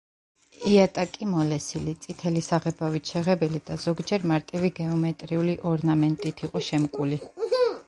იატაკი მოლესილი, წითელი საღებავით შეღებილი და ზოგჯერ მარტივი გეომეტრიული ორნამენტით იყო შემკული.